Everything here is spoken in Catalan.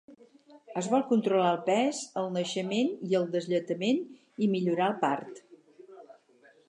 Es vol controlar el pes al naixement i el deslletament i millorar el part.